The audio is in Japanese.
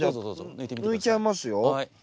抜いちゃいますよ。